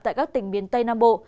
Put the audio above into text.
tại các tỉnh miền tây nam bộ